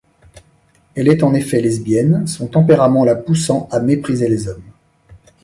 Elle est en effet lesbienne, son tempérament la poussant à mépriser les hommes.